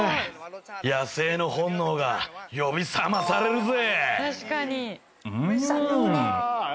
野生の本能が呼び覚まされるぜ！